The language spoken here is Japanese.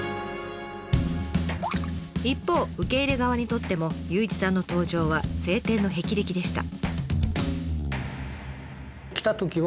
一方受け入れ側にとっても祐一さんの登場は青天の霹靂でした。